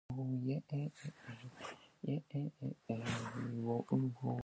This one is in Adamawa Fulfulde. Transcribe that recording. A nani, ɓe ɗon mbaɗa jikiri.